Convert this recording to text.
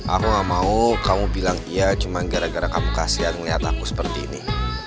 aku gak mau kamu bilang iya cuma gara gara kamu kasihan melihat aku seperti ini